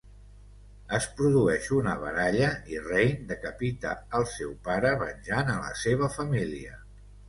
Es produeix una baralla i Rayne decapita al seu pare, venjant a la seva família.